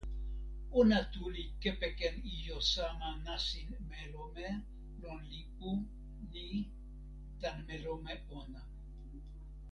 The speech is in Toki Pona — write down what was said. ona tu li kepeken ijo sama nasin melome lon lipu ni tan melome ona.